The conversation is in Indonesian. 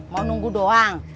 mau nunggu doang